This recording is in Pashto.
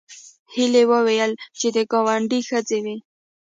هیلې وویل چې د ګاونډي ښځې وې